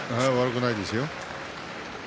悪くないですよ。